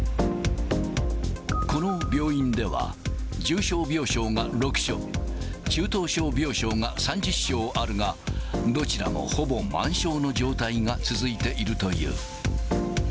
この病院では、重症病床が６床、中等症病床が３０床あるが、どちらもほぼ満床の状態が続いているという。